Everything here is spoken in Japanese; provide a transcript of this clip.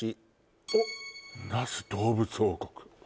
おっ那須どうぶつ王国